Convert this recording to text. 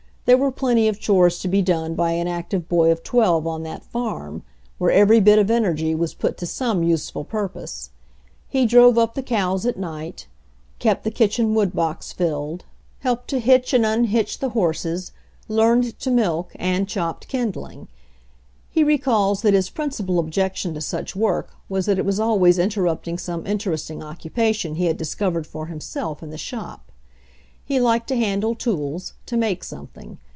There were plenty of chores to be done by an active boy of 12 on that farm, where every bit of energy was put to some useful purpose. He drove up the cows at night, kept the kitchen wood box filled, helped to hitch and unhitch the MENDING A WATCH u horses, learned to milk and chop kindling. He recalls that his principal objection to such work was that it was always interrupting some inter esting occupation he had discovered for himself in the shop. He liked to handle tools, to make something.